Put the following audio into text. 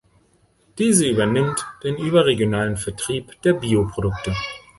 Diese übernimmt den überregionalen Vertrieb der Bioprodukte.